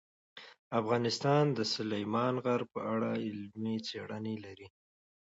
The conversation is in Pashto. افغانستان د سلیمان غر په اړه علمي څېړنې لري.